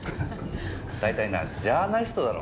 だいたいなジャーナリストだろ？